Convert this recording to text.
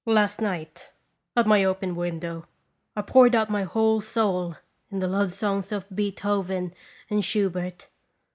Last night, at my open window, I poured out my whole soul in the love songs of Beethoven and Schu bert.